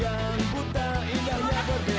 kamu jangan melu diri